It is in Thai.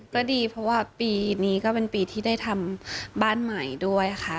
ก็ดีเพราะว่าปีนี้ก็เป็นปีที่ได้ทำบ้านใหม่ด้วยค่ะ